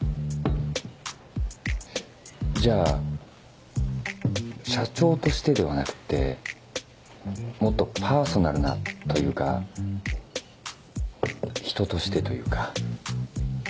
じゃあ社長としてではなくってもっとパーソナルなというか人としてというか。